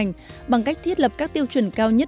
nhưng cũng là về sức khỏe